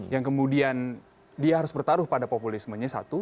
yang kemudian dia harus bertaruh pada populismenya satu